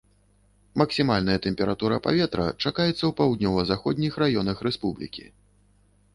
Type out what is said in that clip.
Максімальная тэмпература паветра чакаецца ў паўднёва-заходніх раёнах рэспублікі.